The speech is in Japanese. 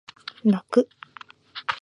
泣く